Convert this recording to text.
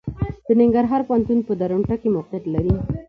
د ننګرهار پوهنتون په درنټه کې موقعيت لري.